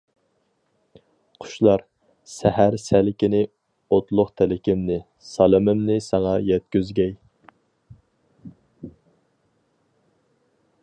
قۇشلار، سەھەر سەلكىنى ئوتلۇق تىلىكىمنى، سالىمىمنى ساڭا يەتكۈزگەي.